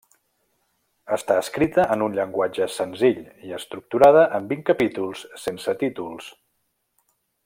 Està escrita en un llenguatge senzill i estructurada en vint capítols sense títols.